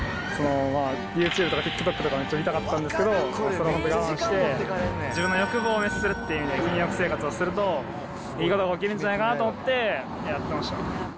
ユーチューブとかＴｉｋＴｏｋとか、めっちゃ見たかったんですけど、それ本当に我慢して、自分の欲望を滅するっていう禁欲生活をするといいことが起きるんじゃないかなと思って、やってました。